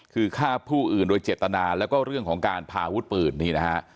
คือฆ่าผู้อื่นโดยเจตนาแล้วก็เรื่องของการพาอาวุธปืนนี่นะฮะ